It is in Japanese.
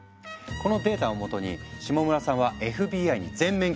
このデータを基に下村さんはＦＢＩに全面協力。